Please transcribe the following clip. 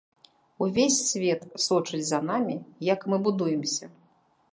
Увесь свет сочыць за намі, як мы будуемся.